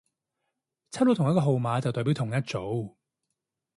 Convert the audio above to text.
抽到同一個號碼就代表同一組